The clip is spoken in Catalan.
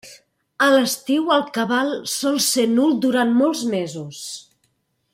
A l'estiu el cabal sol ser nul durant molts mesos.